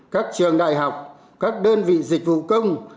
các trường đại học các đơn vị dịch vụ công